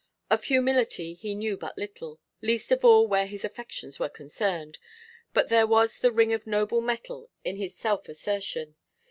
Of humility he knew but little, least of all where his affections were concerned, but there was the ring of noble metal in his self assertion.